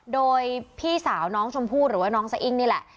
โดยพี่สาวน้องชมพู่หรือว่าน้องสะอิ้งนี่แหละ